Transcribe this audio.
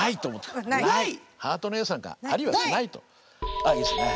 あっいいですね。